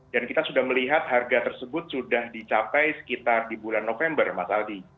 dan kita sudah melihat harga tersebut sudah dicapai sekitar di bulan november mas aldi